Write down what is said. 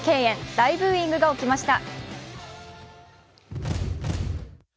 大ブーイングが起きました。